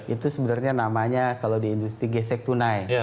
itu sebenarnya namanya kalau di industri gesek tunai